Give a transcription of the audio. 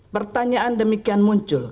pertanyaan demikian muncul